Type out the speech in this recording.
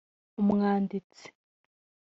umwanditsi